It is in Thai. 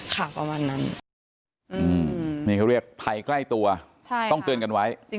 ค่ะประมาณนั้น